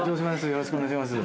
よろしくお願いします。